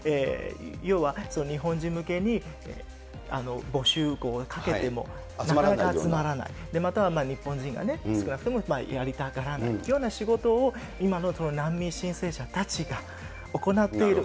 要は日本人向けに募集をかけてもなかなか集まらない、または日本人が少なくともやりたがらないというような仕事を、今の難民申請者たちが行っている。